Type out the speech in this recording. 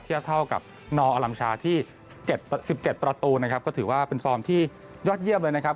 เท่ากับนออลัมชาที่๑๗ประตูนะครับก็ถือว่าเป็นฟอร์มที่ยอดเยี่ยมเลยนะครับ